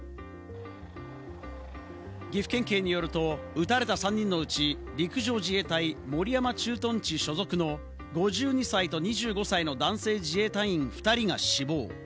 岐阜県警によると、撃たれた３人のうち、陸上自衛隊守山駐屯地所属の５２歳と２５歳の男性自衛隊員２人が死亡。